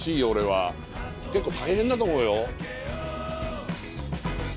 結構大変だと思うよ。